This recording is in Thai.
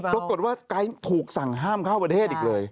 ปรากฏว่าไกด์ถูกสั่งห้ามเข้าประเทศอีกเลย